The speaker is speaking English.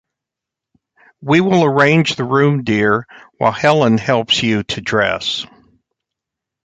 We will arrange the room, dear, while Helene helps you to dress.